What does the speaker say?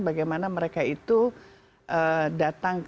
bagaimana mereka itu datang ke yogyakarta harus mengenal bahwa budaya yogyakarta itu